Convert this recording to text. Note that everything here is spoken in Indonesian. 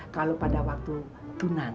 kalau pada waktu tunan